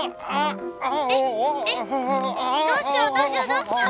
えっえっどうしようどうしようどうしよう！